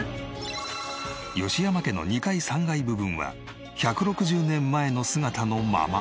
吉山家の２階３階部分は１６０年前の姿のまま。